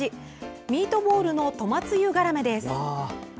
「ミートボールのトマつゆがらめ」です。